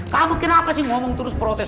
kamu kenapa sih ngomong terus protes